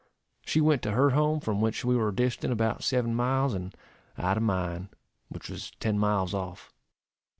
She went to her home, from which we were distant about seven miles, and I to mine, which was ten miles off.